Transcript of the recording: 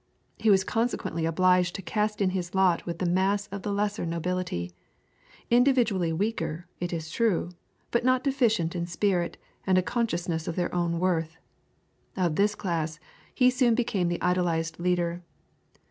He was consequently obliged to cast in his lot with the mass of the lesser nobility, individually weaker, it is true, but not deficient in spirit and a consciousness of their own worth. Of this class he soon became the idolized leader.